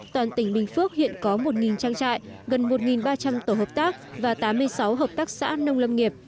toàn tỉnh bình phước hiện có một trang trại gần một ba trăm linh tổ hợp tác và tám mươi sáu hợp tác xã nông lâm nghiệp